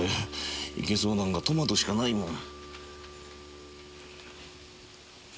行けそうなのがトマトしかないもん。